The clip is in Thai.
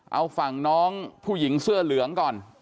เอาฝั่งน้องผู้หญิงเสื้อเหลืองก่อน